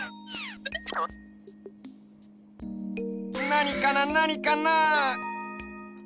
なにかななにかな？